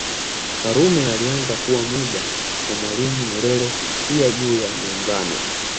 karume alianza kuwa mwiba kwa Mwalimu Nyerere pia juu ya Muungano